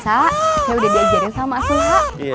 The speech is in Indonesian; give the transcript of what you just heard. saya sudah diajarin sama suha